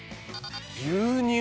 牛乳。